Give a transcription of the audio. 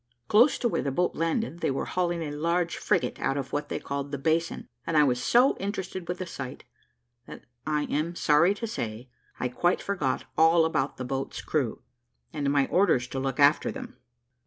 Close to where the boat landed, they were hauling a large frigate out of what they called the basin; and I was so interested with the sight, that I am sorry to say, I quite forgot all about the boat's crew, and my orders to look after them.